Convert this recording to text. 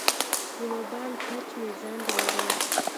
د موبایل ټچ مې ځنډ لري.